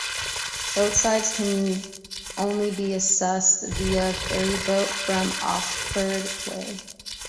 Both sites can only be accessed via ferry boat from Orford quay.